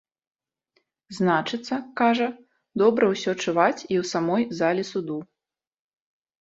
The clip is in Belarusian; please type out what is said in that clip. Значыцца, кажа, добра ўсё чуваць і ў самой залі суду.